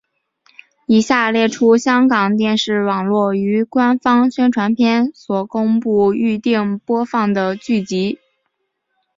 以下列出香港电视网络于官方宣传片所公布预定播放的剧集。